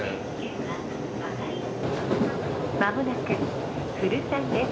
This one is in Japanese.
「まもなく古山です。